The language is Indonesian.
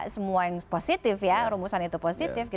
semua yang positif ya rumusan itu positif